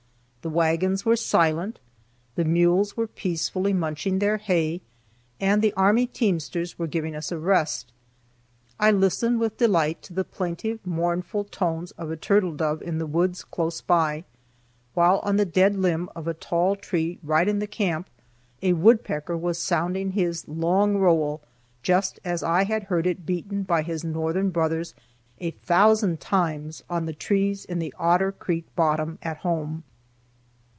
The wagons were silent, the mules were peacefully munching their hay, and the army teamsters were giving us a rest. I listened with delight to the plaintive, mournful tones of a turtle dove in the woods close by, while on the dead limb of a tall tree right in the camp a woodpecker was sounding his "long roll" just as I had heard it beaten by his Northern brothers a thousand times on the trees in the Otter Creek bottom at home.